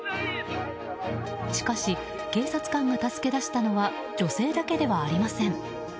しかし、警察官が助け出したのは女性だけではありません。